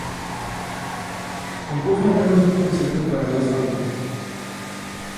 Compuso al menos un concierto para dos fagotes.